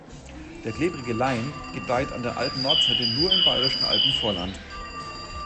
Der Klebrige Lein gedeiht an der Alpennordseite nur im bayerischen Alpenvorland.